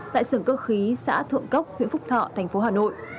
tại sưởng cơ khí xã thượng cốc huyện phúc thọ tp hà nội